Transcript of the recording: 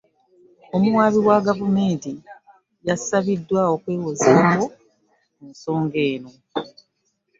Omuwaabi wa gavumenti yasabiddwa okwewozaako ku nsonga eno